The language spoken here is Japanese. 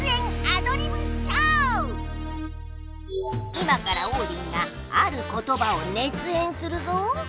今からオウリンがある言葉を熱演するぞ。